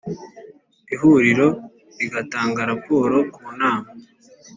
Ihuriro agatanga Raporo ku nama